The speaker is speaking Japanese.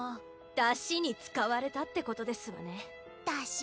だしに使われたってことですわね。だし？